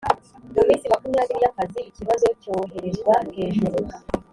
mu minsi makumyabiri y’akazi ikibazo cyoherezwa hejuru